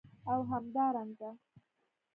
او همدارنګه